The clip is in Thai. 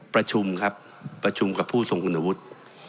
ประชุมครับประชุมกับผู้ทรงคุณวุฒิ